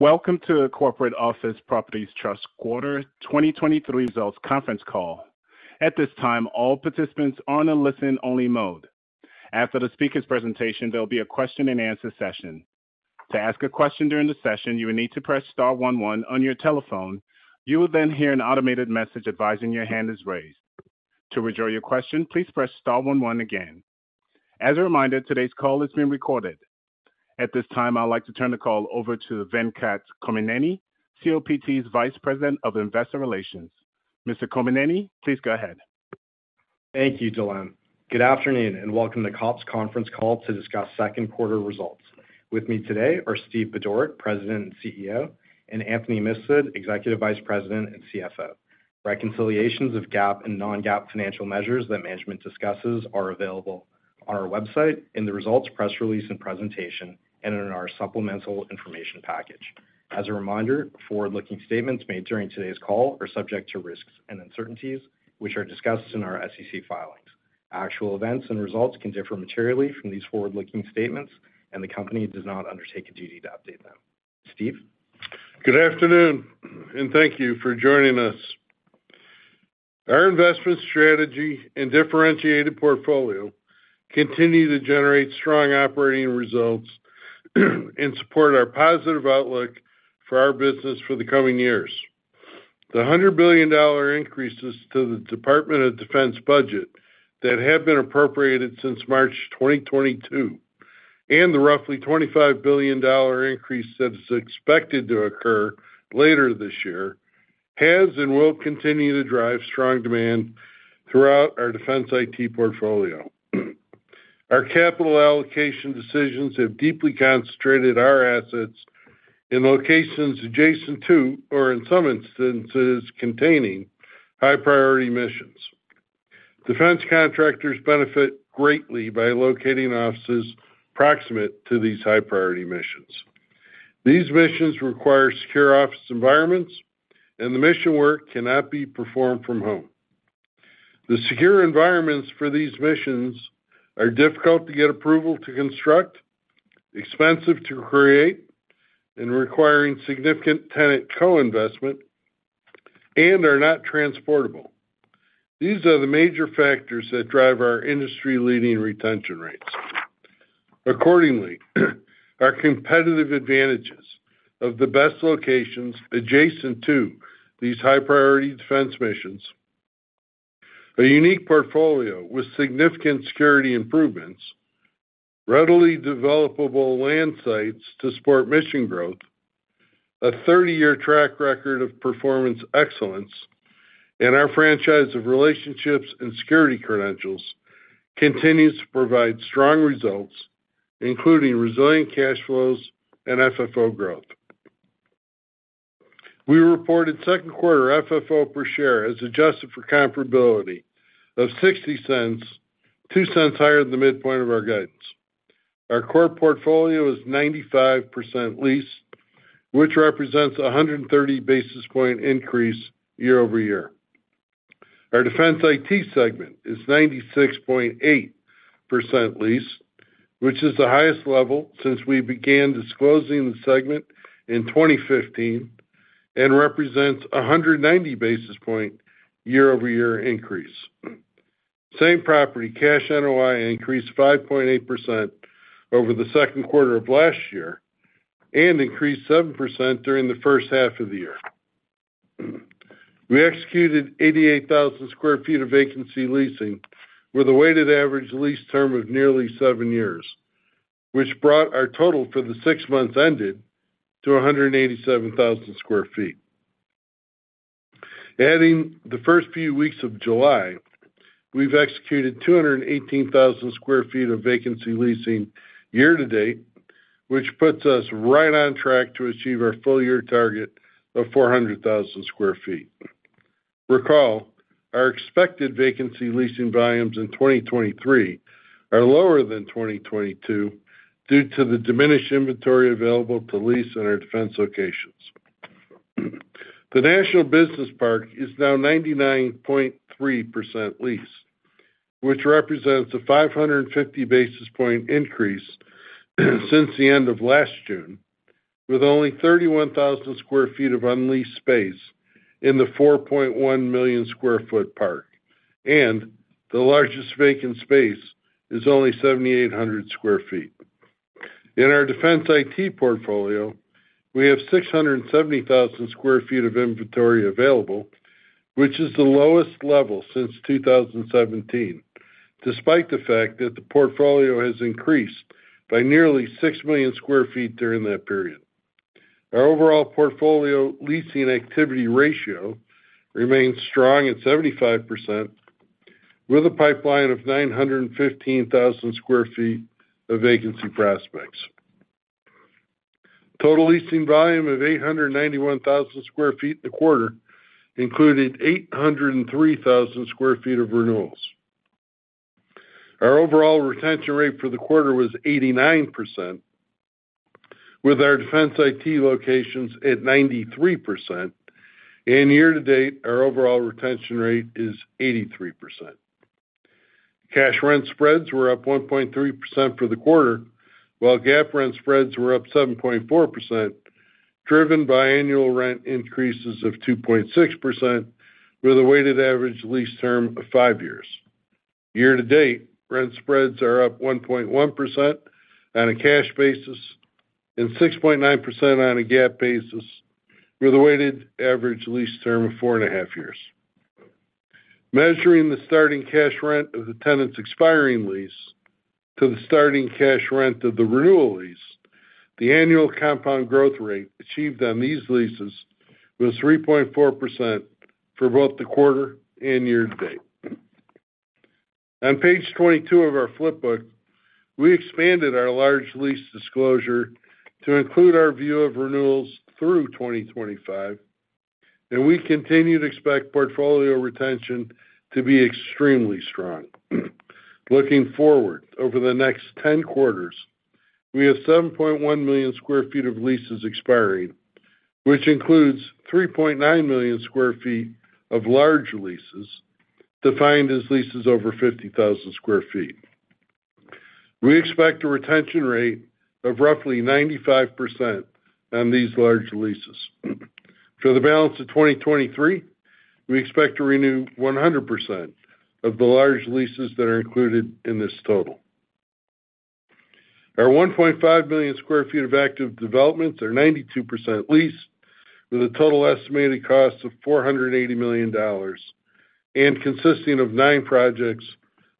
Welcome to the Corporate Office Properties Trust Quarter 2023 Results Conference Call. At this time, all participants are on a listen-only mode. After the speaker's presentation, there'll be a question-and-answer session. To ask a question during the session, you will need to press star 11 on your telephone. You will then hear an automated message advising your hand is raised. To withdraw your question, please press star 11 again. As a reminder, today's call is being recorded. At this time, I'd like to turn the call over to Venkat Kommineni, COPT's Vice President of Investor Relations. Mr. Kommineni, please go ahead. Thank you, Dylan. Good afternoon, and welcome to COPT's conference call to discuss second quarter results. With me today are Stephen Budorick, President and CEO, and Anthony Mifsud, Executive Vice President and CFO. Reconciliations of GAAP and non-GAAP financial measures that management discusses are available on our website in the results, press release, and presentation, and in our supplemental information package. As a reminder, forward-looking statements made during today's call are subject to risks and uncertainties, which are discussed in our SEC filings. Actual events and results can differ materially from these forward-looking statements, and the company does not undertake a duty to update them. Steve? Good afternoon. Thank you for joining us. Our investment strategy and differentiated portfolio continue to generate strong operating results and support our positive outlook for our business for the coming years. The $100 billion increases to the Department of Defense budget that have been appropriated since March 2022, and the roughly $25 billion increase that is expected to occur later this year, has and will continue to drive strong demand throughout our defense IT portfolio. Our capital allocation decisions have deeply concentrated our assets in locations adjacent to, or in some instances, containing high-priority missions. Defense contractors benefit greatly by locating offices proximate to these high-priority missions. These missions require secure office environments, and the mission work cannot be performed from home. The secure environments for these missions are difficult to get approval to construct, expensive to create, and requiring significant tenant co-investment, and are not transportable. These are the major factors that drive our industry-leading retention rates. Accordingly, our competitive advantages of the best locations adjacent to these high-priority defense missions, a unique portfolio with significant security improvements, readily developable land sites to support mission growth, a 30-year track record of performance excellence, and our franchise of relationships and security credentials continues to provide strong results, including resilient cash flows and FFO growth. We reported second quarter FFO per share as adjusted for comparability of $0.60, $0.02 higher than the midpoint of our guidance. Our core portfolio is 95% leased, which represents a 130 basis point increase year-over-year. Our defense IT segment is 96.8% leased, which is the highest level since we began disclosing the segment in 2015 and represents a 190 basis point year-over-year increase. Same property, cash NOI increased 5.8% over the second quarter of last year and increased 7% during the first half of the year. We executed 88,000 sq ft of vacancy leasing with a weighted average lease term of nearly 7 years, which brought our total for the six months ended to 187,000 sq ft. Adding the first few weeks of July, we've executed 218,000 sq ft of vacancy leasing year to date, which puts us right on track to achieve our full year target of 400,000 sq ft. Recall, our expected vacancy leasing volumes in 2023 are lower than 2022 due to the diminished inventory available to lease in our defense locations. The National Business Park is now 99.3% leased, which represents a 550 basis point increase since the end of last June, with only 31,000 sq ft of unleased space in the 4.1 million sq ft park, and the largest vacant space is only 7,800 sq ft. In our defense IT portfolio, we have 670,000 sq ft of inventory available, which is the lowest level since 2017, despite the fact that the portfolio has increased by nearly 6 million sq ft during that period. Our overall portfolio leasing activity ratio remains strong at 75%, with a pipeline of 915,000 sq ft of vacancy prospects. Total leasing volume of 891,000 sq ft in the quarter included 803,000 sq ft of renewals. Our overall retention rate for the quarter was 89%, with our defense IT locations at 93%. Year to date, our overall retention rate is 83%. Cash rent spreads were up 1.3% for the quarter, while GAAP rent spreads were up 7.4%, driven by annual rent increases of 2.6%, with a weighted average lease term of 5 years. Year to date, rent spreads are up 1.1% on a cash basis and 6.9% on a GAAP basis, with a weighted average lease term of 4.5 years. Measuring the starting cash rent of the tenant's expiring lease to the starting cash rent of the renewal lease, the annual compound growth rate achieved on these leases was 3.4% for both the quarter and year to date. On page 22 of our flip book, we expanded our large lease disclosure to include our view of renewals through 2025. We continue to expect portfolio retention to be extremely strong. Looking forward, over the next 10 quarters, we have 7.1 million sq ft of leases expiring, which includes 3.9 million sq ft of large leases, defined as leases over 50,000 sq ft. We expect a retention rate of roughly 95% on these large leases. For the balance of 2023, we expect to renew 100% of the large leases that are included in this total. Our 1.5 million sq ft of active developments are 92% leased, with a total estimated cost of $480 million, consisting of nine projects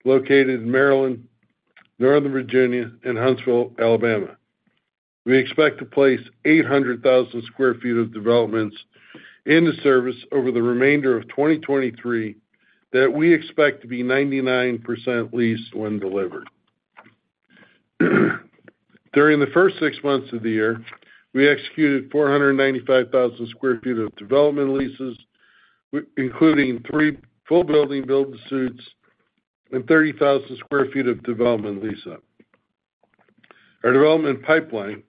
located in Maryland, Northern Virginia, and Huntsville, Alabama. We expect to place 800,000 sq ft of developments into service over the remainder of 2023, that we expect to be 99% leased when delivered. During the first six months of the year, we executed 495,000 sq ft of development leases, including three full building build-to-suits and 30,000 sq ft of development lease up. Our development pipeline,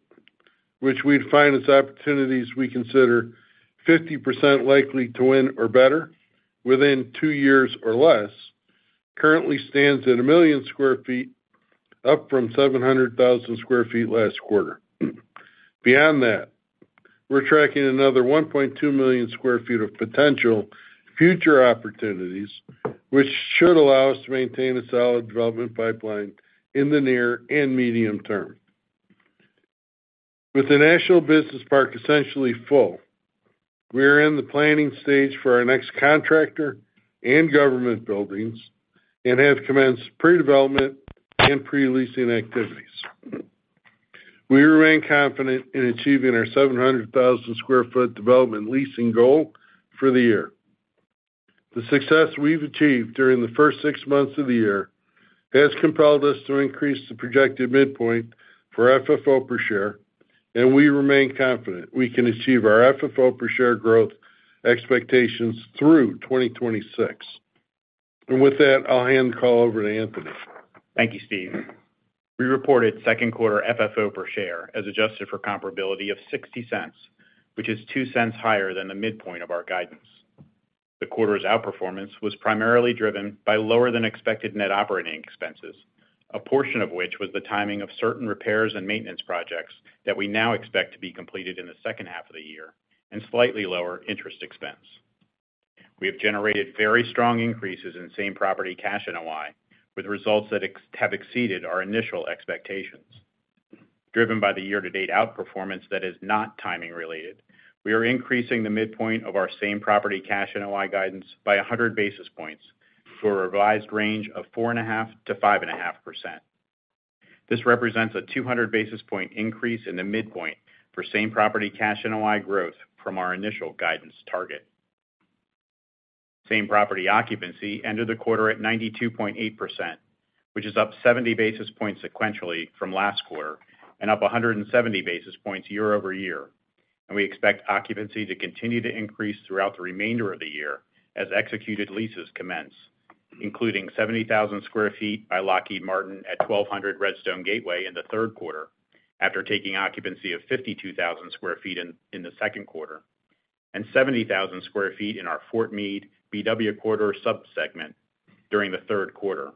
which we define as opportunities we consider 50% likely to win or better within two years or less, currently stands at 1 million sq ft, up from 700,000 sq ft last quarter. Beyond that, we're tracking another 1.2 million sq ft of potential future opportunities, which should allow us to maintain a solid development pipeline in the near and medium term. With the National Business Park essentially full, we are in the planning stage for our next contractor and government buildings and have commenced pre-development and pre-leasing activities. We remain confident in achieving our 700,000 sq ft development leasing goal for the year. The success we've achieved during the 6 months of the year has compelled us to increase the projected midpoint for FFO per share. We remain confident we can achieve our FFO per share growth expectations through 2026. With that, I'll hand the call over to Anthony. Thank you, Steve. We reported second quarter FFO per share as adjusted for comparability of $0.60, which is $0.02 higher than the midpoint of our guidance. The quarter's outperformance was primarily driven by lower than expected net operating expenses, a portion of which was the timing of certain repairs and maintenance projects that we now expect to be completed in the second half of the year, and slightly lower interest expense. We have generated very strong increases in same-property cash NOI, with results that have exceeded our initial expectations. Driven by the year-to-date outperformance that is not timing related, we are increasing the midpoint of our same-property cash NOI guidance by 100 basis points, for a revised range of 4.5%-5.5%. This represents a 200 basis point increase in the midpoint for same-property cash NOI growth from our initial guidance target. Same-property occupancy ended the quarter at 92.8%, which is up 70 basis points sequentially from last quarter and up 170 basis points year-over-year. We expect occupancy to continue to increase throughout the remainder of the year as executed leases commence, including 70,000 sq ft by Lockheed Martin at 1,200 Redstone Gateway in the third quarter, after taking occupancy of 52,000 sq ft in the second quarter, and 70,000 sq ft in our Fort Meade BW corridor subsegment during the third quarter.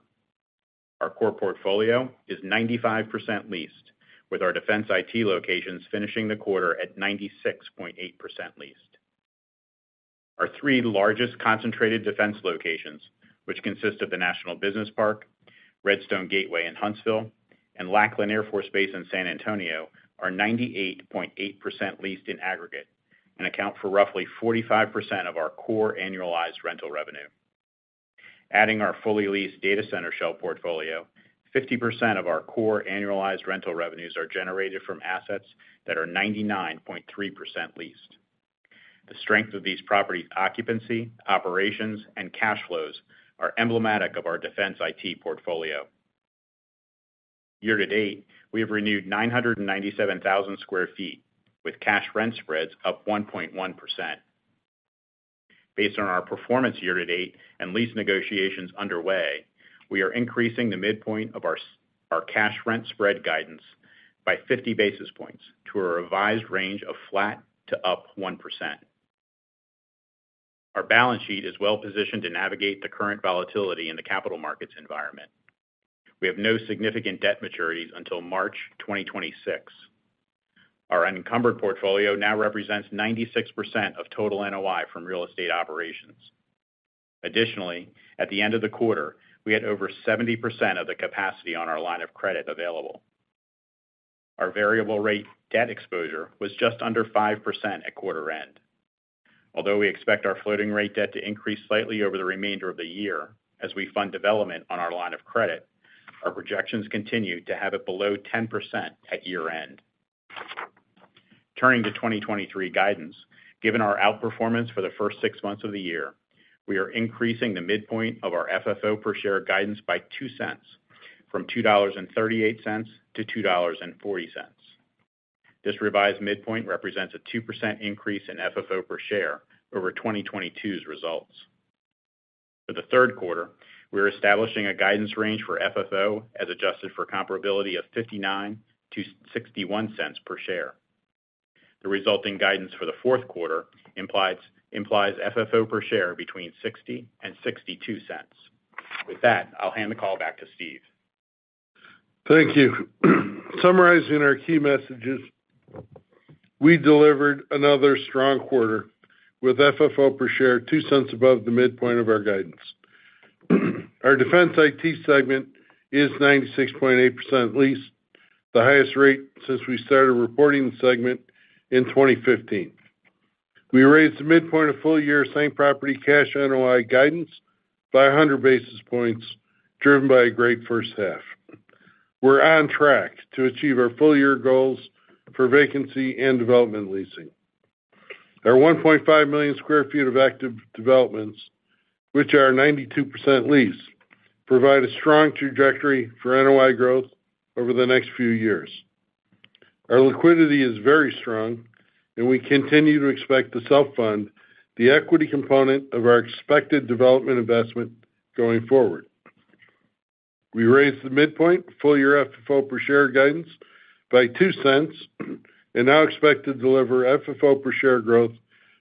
Our core portfolio is 95% leased, with our defense IT locations finishing the quarter at 96.8% leased. Our three largest concentrated defense locations, which consist of The National Business Park, Redstone Gateway in Huntsville, and Lackland Air Force Base in San Antonio, are 98.8% leased in aggregate and account for roughly 45% of our core annualized rental revenue. Adding our fully leased data center shell portfolio, 50% of our core annualized rental revenues are generated from assets that are 99.3% leased. The strength of these properties' occupancy, operations, and cash flows are emblematic of our defense IT portfolio. Year to date, we have renewed 997,000 sq ft, with cash rent spreads up 1.1%. Based on our performance year to date and lease negotiations underway, we are increasing the midpoint of our cash rent spread guidance by 50 basis points to a revised range of flat to up 1%. Our balance sheet is well positioned to navigate the current volatility in the capital markets environment. We have no significant debt maturities until March 2026. Our unencumbered portfolio now represents 96% of total NOI from real estate operations. Additionally, at the end of the quarter, we had over 70% of the capacity on our line of credit available. Our variable rate debt exposure was just under 5% at quarter end. Although we expect our floating rate debt to increase slightly over the remainder of the year as we fund development on our line of credit, our projections continue to have it below 10% at year-end. Turning to 2023 guidance. Given our outperformance for the first 6 months of the year, we are increasing the midpoint of our FFO per share guidance by $0.02, from $2.38 to $2.40. This revised midpoint represents a 2% increase in FFO per share over 2022's results. For the 3rd quarter, we're establishing a guidance range for FFO, as adjusted for comparability of $0.59-$0.61 per share. The resulting guidance for the 4th quarter implies FFO per share between $0.60 and $0.62. With that, I'll hand the call back to Steve. Thank you. Summarizing our key messages, we delivered another strong quarter, with FFO per share $0.02 above the midpoint of our guidance. Our defense IT segment is 96.8% leased, the highest rate since we started reporting the segment in 2015. We raised the midpoint of full-year same-property cash NOI guidance by 100 basis points, driven by a great first half. We're on track to achieve our full-year goals for vacancy and development leasing. Our 1.5 million sq ft of active developments, which are 92% leased, provide a strong trajectory for NOI growth over the next few years. Our liquidity is very strong, and we continue to expect to self-fund the equity component of our expected development investment going forward. We raised the midpoint full-year FFO per share guidance by $0.02, now expect to deliver FFO per share growth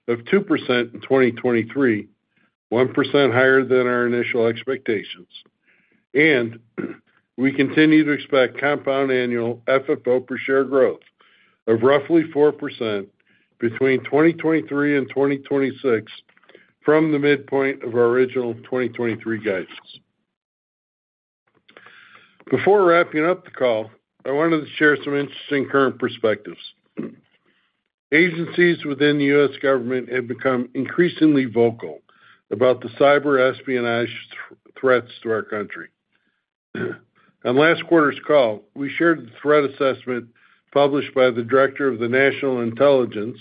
of 2% in 2023, 1% higher than our initial expectations. We continue to expect compound annual FFO per share growth of roughly 4% between 2023 and 2026 from the midpoint of our original 2023 guidance. Before wrapping up the call, I wanted to share some interesting current perspectives. Agencies within the U.S. government have become increasingly vocal about the cyber espionage threats to our country. On last quarter's call, we shared the threat assessment published by the Director of National Intelligence,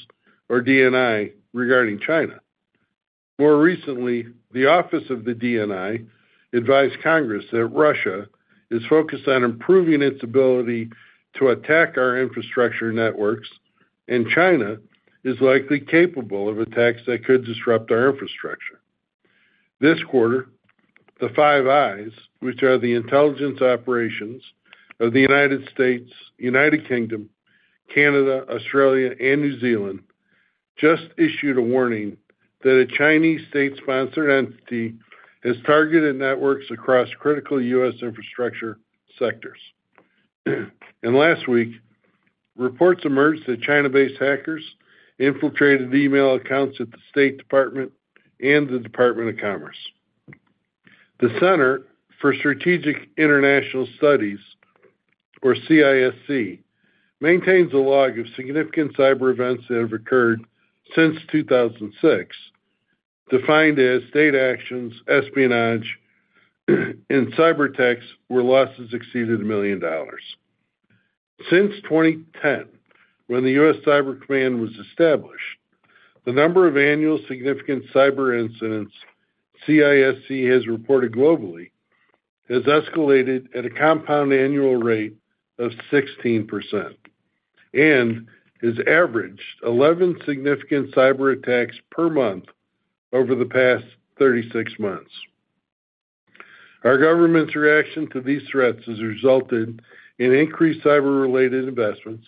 or DNI, regarding China. More recently, the office of the DNI advised Congress that Russia is focused on improving its ability to attack our infrastructure networks, and China is likely capable of attacks that could disrupt our infrastructure. This quarter, the Five Eyes, which are the intelligence operations of the United States, United Kingdom, Canada, Australia, and New Zealand, just issued a warning that a Chinese state-sponsored entity has targeted networks across critical U.S. infrastructure sectors. Last week, reports emerged that China-based hackers infiltrated email accounts at the State Department and the Department of Commerce. The Center for Strategic and International Studies, or CSIS, maintains a log of significant cyber events that have occurred since 2006, defined as state actions, espionage, and cyberattacks, where losses exceeded $1 million. Since 2010, when the U.S. Cyber Command was established, the number of annual significant cyber incidents CSIS has reported globally has escalated at a compound annual rate of 16% and has averaged 11 significant cyberattacks per month over the past 36 months. Our government's reaction to these threats has resulted in increased cyber-related investments,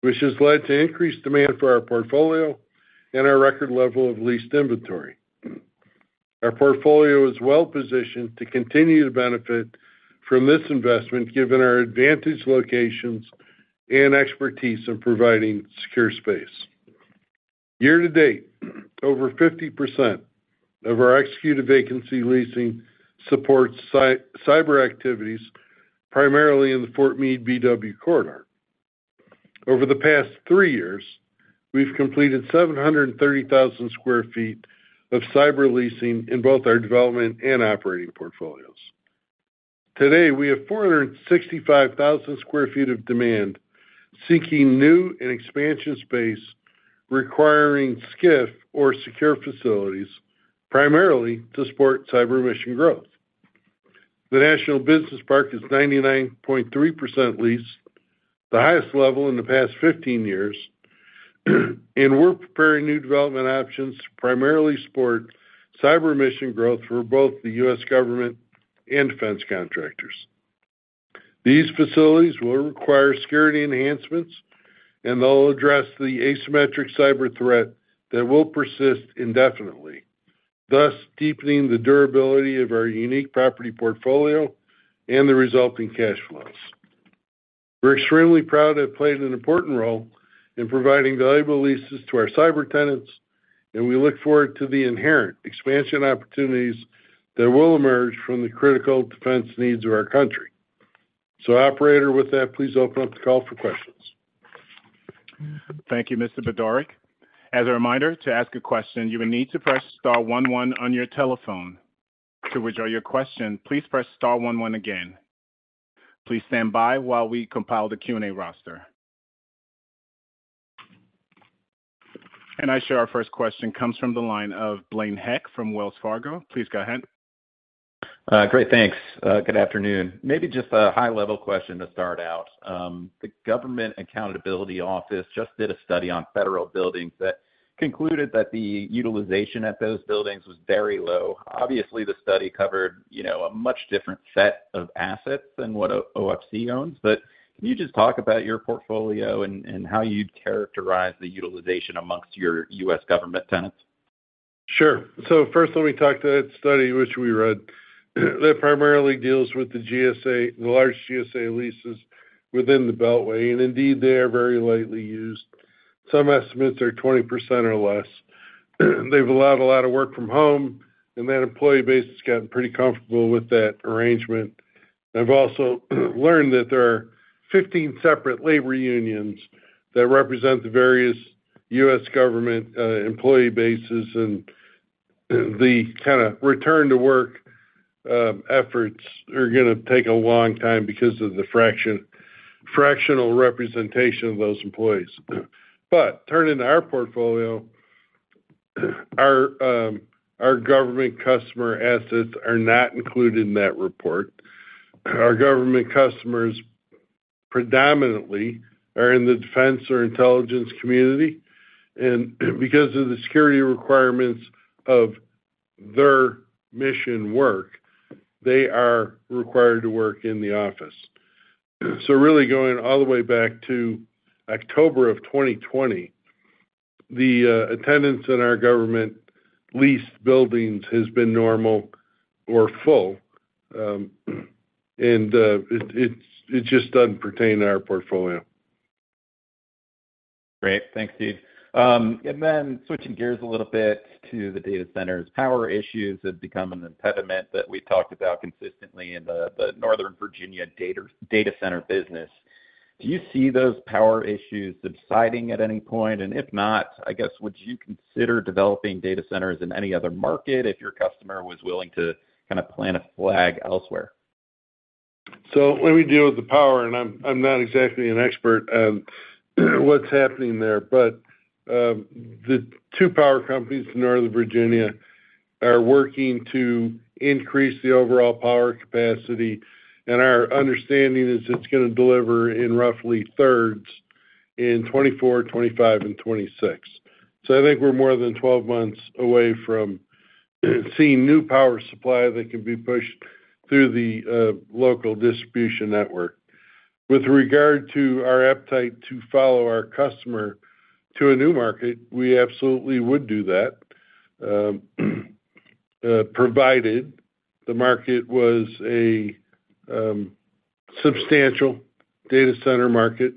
which has led to increased demand for our portfolio and our record level of leased inventory. Our portfolio is well positioned to continue to benefit from this investment, given our advantage, locations, and expertise in providing secure space. Year to date, over 50% of our executed vacancy leasing supports cyber activities, primarily in the Fort Meade BW corridor. Over the past three years, we've completed 730,000 sq ft of cyber leasing in both our development and operating portfolios. Today, we have 465,000 sq ft of demand, seeking new and expansion space requiring SCIF, or secure facilities, primarily to support cyber mission growth. The National Business Park is 99.3% leased, the highest level in the past 15 years. We're preparing new development options to primarily support cyber mission growth for both the U.S. government and defense contractors. These facilities will require security enhancements. They'll address the asymmetric cyber threat that will persist indefinitely, thus deepening the durability of our unique property portfolio and the resulting cash flows. We're extremely proud to have played an important role in providing valuable leases to our cyber tenants. We look forward to the inherent expansion opportunities that will emerge from the critical defense needs of our country. Operator, with that, please open up the call for questions. Thank you, Mr. Budorick. As a reminder, to ask a question, you will need to press star one one on your telephone. To withdraw your question, please press star one one again. Please stand by while we compile the Q&A roster. I show our first question comes from the line of C. Please go ahead. Great, thanks. Good afternoon. Maybe just a high-level question to start out. The Government Accountability Office just did a study on federal buildings that concluded that the utilization at those buildings was very low. Obviously, the study covered, you know, a much different set of assets than what COPT owns, but can you just talk about your portfolio and, and how you'd characterize the utilization amongst your U.S. government tenants? Sure. First, let me talk to that study, which we read. That primarily deals with the GSA, the large GSA leases within the Beltway, and indeed, they are very lightly used. Some estimates are 20% or less. They've allowed a lot of work from home, and that employee base has gotten pretty comfortable with that arrangement. I've also learned that there are 15 separate labor unions that represent the various U.S. government employee bases, and the kinda return to work efforts are gonna take a long time because of the fractional representation of those employees. Turning to our portfolio, our government customer assets are not included in that report. Our government customers predominantly are in the defense or intelligence community, and because of the security requirements of their mission work, they are required to work in the office. Really going all the way back to October of 2020, the attendance in our government-leased buildings has been normal or full. It just doesn't pertain to our portfolio. Great. Thanks, Steve. Switching gears a little bit to the data centers. Power issues have become an impediment that we talked about consistently in the Northern Virginia data center business. Do you see those power issues subsiding at any point? If not, I guess, would you consider developing data centers in any other market if your customer was willing to kinda plant a flag elsewhere? Let me deal with the power, and I'm, I'm not exactly an expert of, what's happening there. The two power companies in Northern Virginia are working to increase the overall power capacity, and our understanding is it's gonna deliver in roughly thirds in 2024, 2025, and 2026. I think we're more than 12 months away from seeing new power supply that can be pushed through the local distribution network. With regard to our appetite to follow our customer to a new market, we absolutely would do that, provided the market was a substantial data center market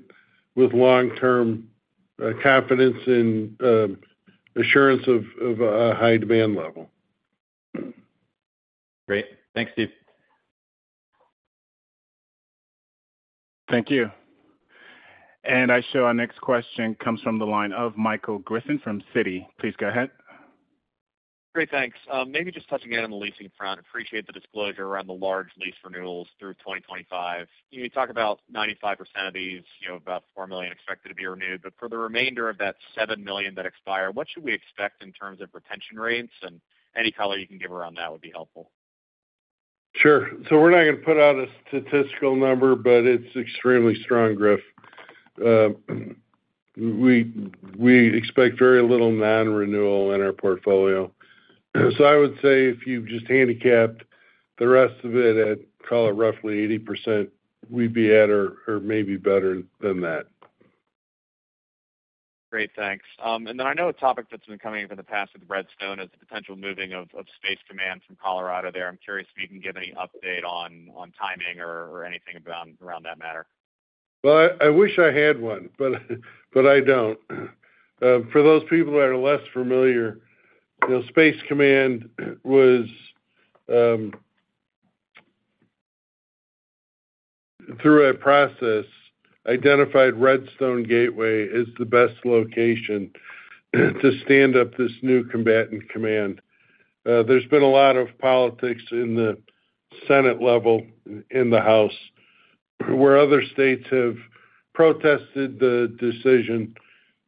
with long-term confidence and assurance of, of, a high demand level. Great. Thanks, Steve. Thank you. I show our next question comes from the line of Michael Griffin from Citigroup. Please go ahead. Great, thanks. Maybe just touching on the leasing front. Appreciate the disclosure around the large lease renewals through 2025. You talk about 95% of these, you know, about $4 million expected to be renewed. For the remainder of that $7 million that expire, what should we expect in terms of retention rates, and any color you can give around that would be helpful. Sure. We're not gonna put out a statistical number, but it's extremely strong, Griff. We, we expect very little non-renewal in our portfolio. I would say if you just handicapped the rest of it at, call it, roughly 80%, we'd be at or, or maybe better than that. Great, thanks. Then I know a topic that's been coming up in the past with Redstone is the potential moving of Space Command from Colorado there. I'm curious if you can give any update on timing or anything around that matter? Well, I, I wish I had one, but, but I don't. For those people who are less familiar, you know, Space Command was through a process, identified Redstone Gateway as the best location, to stand up this new combatant command. There's been a lot of politics in the Senate level, in the House, where other states have protested the decision.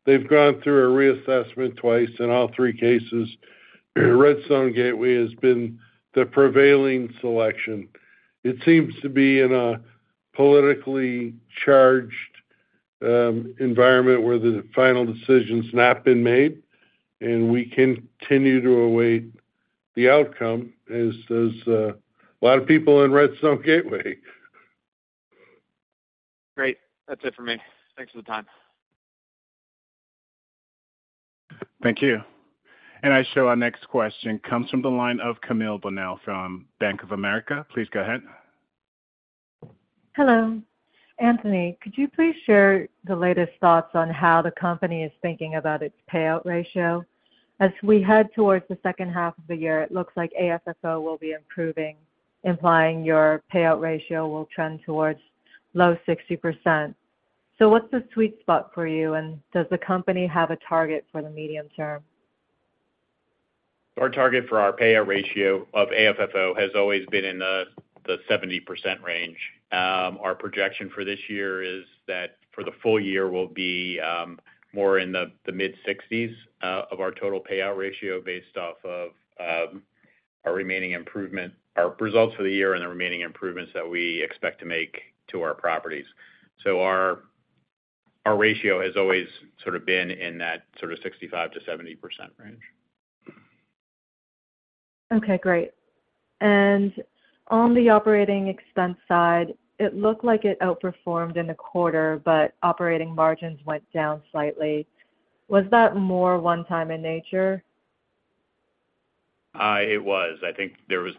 They've gone through a reassessment twice. In all three cases, Redstone Gateway has been the prevailing selection. It seems to be in a politically charged-... environment where the final decision's not been made, and we continue to await the outcome, as does a lot of people in Redstone Gateway. Great. That's it for me. Thanks for the time. Thank you. I show our next question comes from the line of Camille Bonnell from Bank of America. Please go ahead. Hello. Anthony, could you please share the latest thoughts on how the company is thinking about its payout ratio? As we head towards the second half of the year, it looks like AFFO will be improving, implying your payout ratio will trend towards low 60%. What's the sweet spot for you, and does the company have a target for the medium term? Our target for our payout ratio of AFFO has always been in the 70% range. Our projection for this year is that for the full year, we'll be more in the mid-60s of our total payout ratio, based off of our remaining improvement-- our results for the year and the remaining improvements that we expect to make to our properties. Our, our ratio has always sort of been in that sort of 65%-70% range. Okay, great. On the operating expense side, it looked like it outperformed in the quarter, but operating margins went down slightly. Was that more one time in nature? It was. I think there's,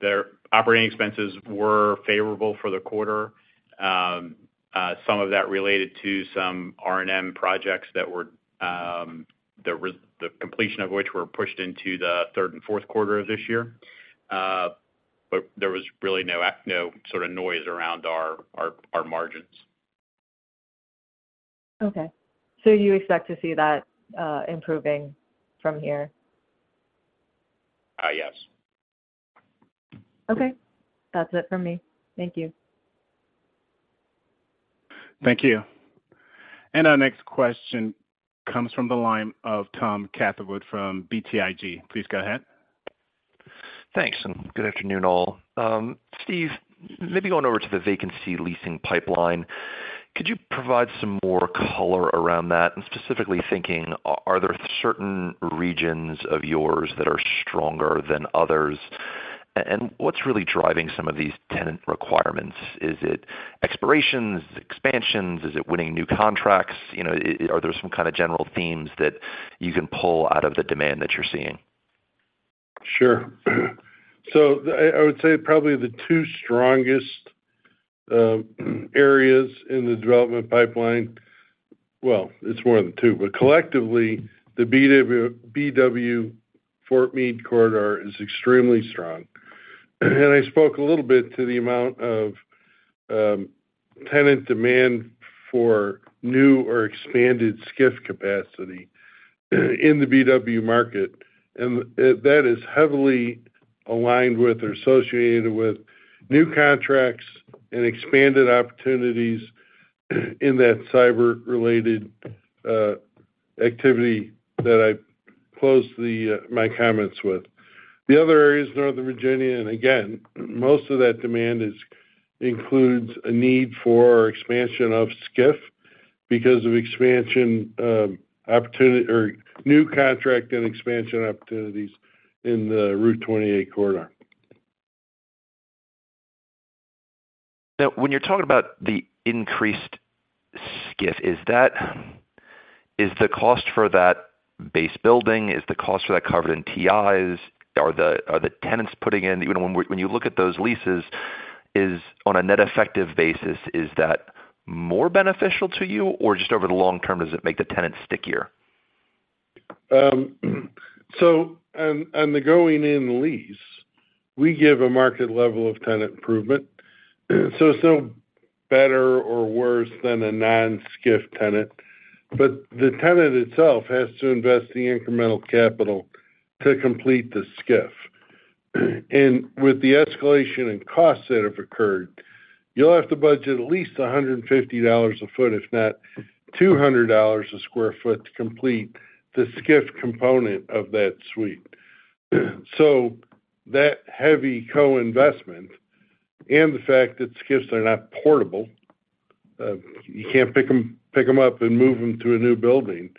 the operating expenses were favorable for the quarter. Some of that related to some R&M projects that were, the completion of which were pushed into the 3rd and 4th quarter of this year. There was really no sort of noise around our, our, our margins. Okay. You expect to see that, improving from here? Yes. Okay. That's it from me. Thank you. Thank you. Our next question comes from the line of Tom Catherwood from BTIG. Please go ahead. Thanks. Good afternoon, all. Steve, maybe going over to the vacancy leasing pipeline, could you provide some more color around that? I'm specifically thinking, are, are there certain regions of yours that are stronger than others? What's really driving some of these tenant requirements? Is it expirations, expansions? Is it winning new contracts? You know, are there some kind of general themes that you can pull out of the demand that you're seeing? Sure. I, I would say probably the two strongest areas in the development pipeline. Well, it's more than two, but collectively, the BW, BW Fort Meade corridor is extremely strong. I spoke a little bit to the amount of tenant demand for new or expanded SCIF capacity in the BW market, and that is heavily aligned with or associated with new contracts and expanded opportunities in that cyber-related activity that I closed the my comments with. The other areas, Northern Virginia, and again, most of that demand is, includes a need for expansion of SCIF because of expansion opportunity or new contract and expansion opportunities in the Route 28 corridor. When you're talking about the increased SCIF, is that, is the cost for that base building, is the cost for that covered in TIs? Are the, are the tenants putting in? You know, when, when you look at those leases, is, on a net effective basis, is that more beneficial to you, or just over the long term, does it make the tenant stickier? On, on the going-in lease, we give a market level of tenant improvement, still better or worse than a non-SCIF tenant. The tenant itself has to invest the incremental capital to complete the SCIF. With the escalation in costs that have occurred, you'll have to budget at least $150 a foot, if not $200 a square foot, to complete the SCIF component of that suite. That heavy co-investment and the fact that SCIFs are not portable, you can't pick them, pick them up and move them to a new building,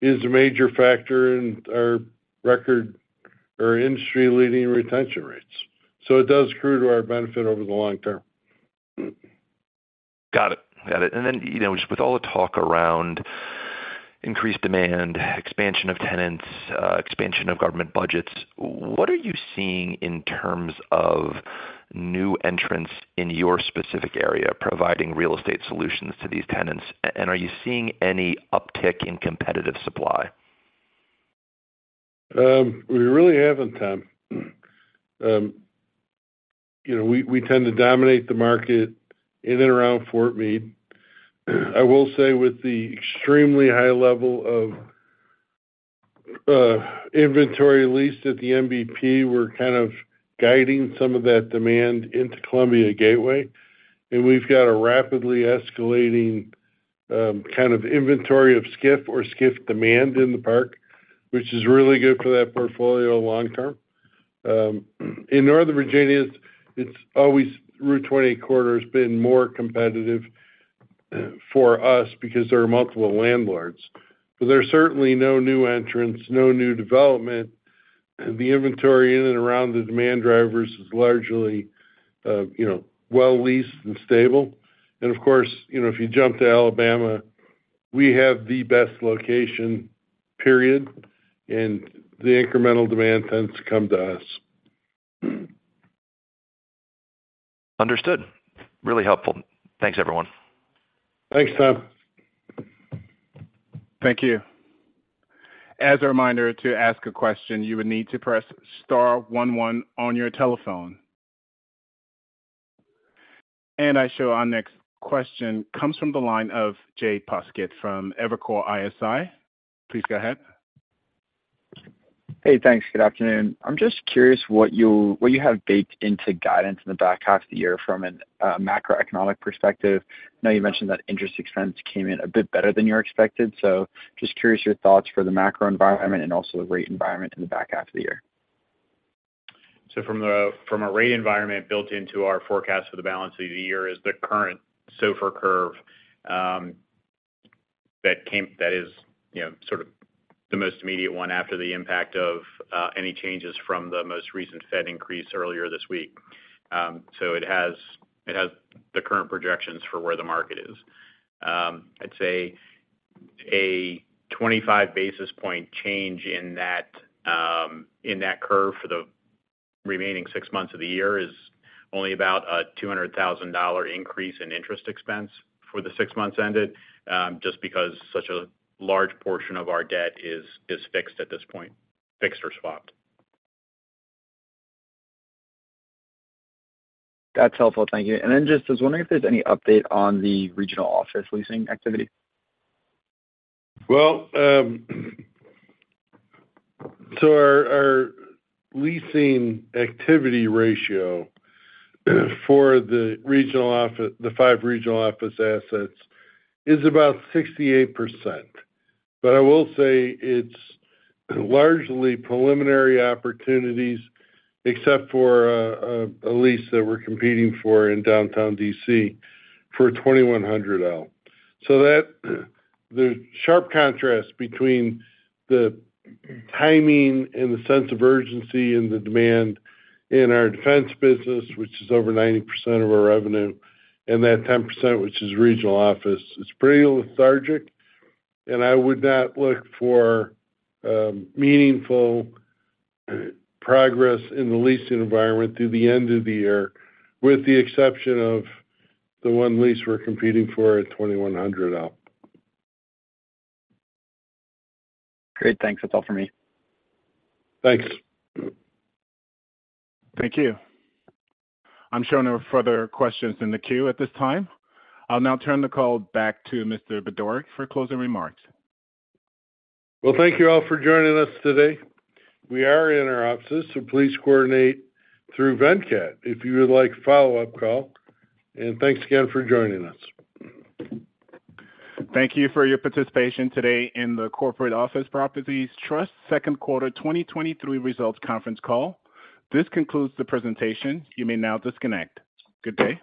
is a major factor in our record or industry-leading retention rates. It does accrue to our benefit over the long term. Got it. Got it, and then, you know, just with all the talk around increased demand, expansion of tenants, expansion of government budgets, what are you seeing in terms of new entrants in your specific area, providing real estate solutions to these tenants? Are you seeing any uptick in competitive supply? We really haven't, Tom. You know, we, we tend to dominate the market in and around Fort Meade. I will say, with the extremely high level of inventory leased at the NBP, we're kind of guiding some of that demand into Columbia Gateway, and we've got a rapidly escalating kind of inventory of SCIF or SCIF demand in the park, which is really good for that portfolio long term. In Northern Virginia, it's, it's always Route 28 corridor has been more competitive for us because there are multiple landlords. There are certainly no new entrants, no new development. The inventory in and around the demand drivers is largely, you know, well leased and stable. Of course, you know, if you jump to Alabama, we have the best location, period, and the incremental demand tends to come to us. Understood. Really helpful. Thanks, everyone. Thanks, Tom. Thank you. As a reminder to ask a question, you would need to press star one one on your telephone. I show our next question comes from the line of Jay Poskitt from Evercore ISI. Please go ahead. Hey, thanks. Good afternoon. I'm just curious what you, what you have baked into guidance in the back half of the year from a macroeconomic perspective. Just curious your thoughts for the macro environment and also the rate environment in the back half of the year? From the, from a rate environment built into our forecast for the balance of the year is the current SOFR curve, that came-- that is, you know, sort of the most immediate one after the impact of any changes from the most recent Fed increase earlier this week. It has, it has the current projections for where the market is. I'd say a 25 basis point change in that, in that curve for the remaining six months of the year is only about a $200,000 increase in interest expense for the six months ended, just because such a large portion of our debt is, is fixed at this point, fixed or swapped. That's helpful. Thank you. Then just I was wondering if there's any update on the regional office leasing activity? Our, our leasing activity ratio for the regional office, the 5 regional office assets, is about 68%. I will say it's largely preliminary opportunities except for a lease that we're competing for in downtown D.C. for 2100 L. That, the sharp contrast between the timing and the sense of urgency and the demand in our defense business, which is over 90% of our revenue, and that 10%, which is regional office, it's pretty lethargic, and I would not look for meaningful progress in the leasing environment through the end of the year, with the exception of the 1 lease we're competing for at 2100 L. Great, thanks. That's all for me. Thanks. Thank you. I'm showing no further questions in the queue at this time. I'll now turn the call back to Mr. Budorick for closing remarks. Well, thank you all for joining us today. We are in our offices, so please coordinate through Venkat if you would like a follow-up call. Thanks again for joining us. Thank you for your participation today in the Corporate Office Properties Trust Second Quarter 2023 Results Conference Call. This concludes the presentation. You may now disconnect. Good day.